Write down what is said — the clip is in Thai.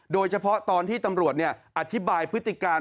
โดยเฉพาะตอนที่ตำรวจอธิบายพฤติการ